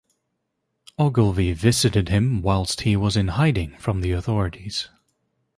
Ogilvie visited him whilst he was in hiding from the authorities.